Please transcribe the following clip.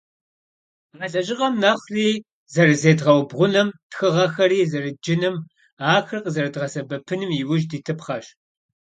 А лэжьыгъэм нэхъри зэрызедгъэубгъуным, тхыгъэхэри зэрыдджыным, ахэр къызэрыдгъэсэбэпыным иужь дитыпхъэщ.